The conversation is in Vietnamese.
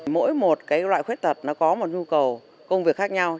mỗi một loại khuyết tật nó có một nhu cầu công việc khác nhau